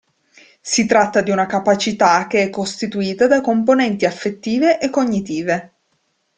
Si tratta di una capacità che è costituita da componenti affettive e cognitive.